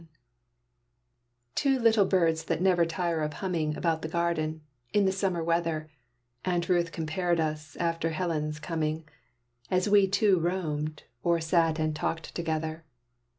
_ To little birds that never tire of humming About the garden, in the summer weather, Aunt Ruth compared us, after Helen's coming, As we two roamed, or sat and talked together.